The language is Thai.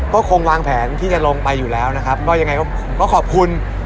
ก็คงวางแผนที่จะลงไปอยู่แล้วนะครับก็ยังไงก็ผมก็ขอบคุณ